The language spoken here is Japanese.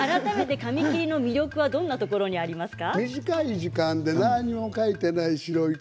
改めて紙切りの魅力はどんなところにありますか？